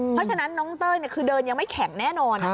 เพราะฉะนั้นน้องเต้ยคือเดินยังไม่แข็งแน่นอน